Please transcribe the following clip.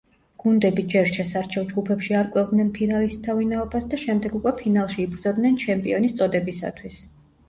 გუნდები ჯერ შესარჩევ ჯგუფებში არკვევდნენ ფინალისტთა ვინაობას და შემდეგ უკვე ფინალში იბრძოდნენ ჩემპიონის წოდებისათვის.